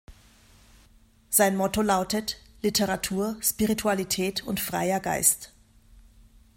Sein Motto lautet: „Literatur, Spiritualität und freier Geist“.